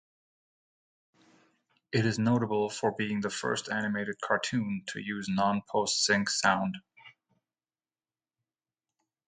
It is notable for being the first animated cartoon to use non-post-sync sound.